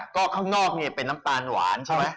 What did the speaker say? ก็ข้างนอกเนี่ยเป็นน้ำตาลหวานใช่ไหม